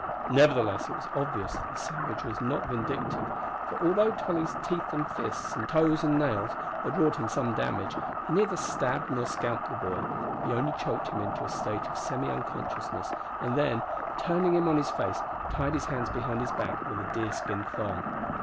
Nevertheless, it was obvious that the savage was not vindictive, for although Tolly's teeth and fists and toes and nails had wrought him some damage, he neither stabbed nor scalped the boy. He only choked him into a state of semi unconsciousness, and then, turning him on his face, tied his hands behind his back with a deerskin thong.